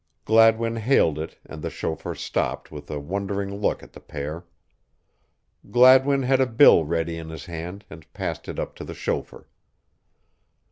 Gladwin hailed it and the chauffeur stopped with a wondering look at the pair. Gladwin had a bill ready in his hand and passed it up to the chauffeur.